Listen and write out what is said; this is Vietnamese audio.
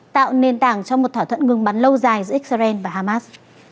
tạo nền tảng cho một thỏa thuận ngừng bắn lâu dài giữa israel và hamas